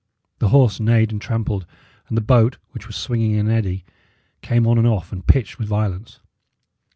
The horse neighed and trampled; and the boat, which was swinging in an eddy, came on and off and pitched with violence.